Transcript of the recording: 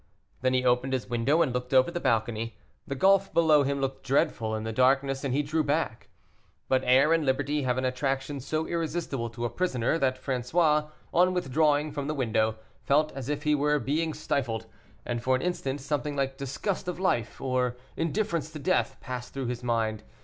Then he opened his window, and looked over the balcony; the gulf below him looked dreadful in the darkness, and he drew back. But air and liberty have an attraction so irresistible to a prisoner, that François, on withdrawing from the window, felt as if he were being stifled, and for an instant something like disgust of life and indifference to death passed through his mind.